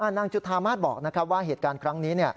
จุธามาศบอกว่าเหตุการณ์ครั้งนี้